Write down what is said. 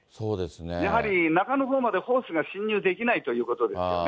やはり中のほうまでホースが進入できないということですよね。